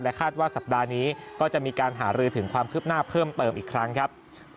คาดว่าสัปดาห์นี้ก็จะมีการหารือถึงความคืบหน้าเพิ่มเติมอีกครั้งครับ